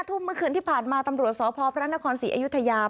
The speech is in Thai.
ทุ่มเมื่อคืนที่ผ่านมาตำรวจสพพระนครศรีอยุธยา